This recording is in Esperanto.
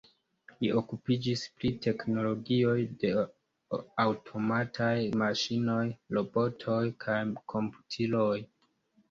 Li okupiĝis pri teknologioj de aŭtomataj maŝinoj, robotoj kaj komputiloj.